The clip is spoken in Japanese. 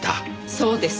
そうです。